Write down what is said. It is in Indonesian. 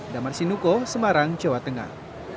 damar sinuko semarang jawa tengah